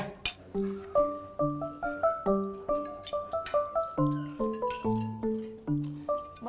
tidak ada apa apa